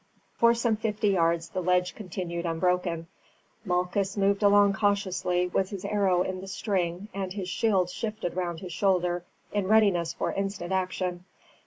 For some fifty yards the ledge continued unbroken. Malchus moved along cautiously, with his arrow in the string and his shield shifted round his shoulder, in readiness for instant action.